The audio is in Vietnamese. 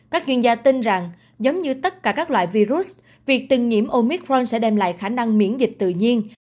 các chuyên gia tin rằng giống như tất cả các loại virus việc từng nhiễm omicron sẽ đem lại khả năng miễn dịch tự nhiên